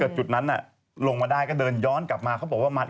เรางมาได้ก็เดินย้อนกลับมาเขาบอกว่า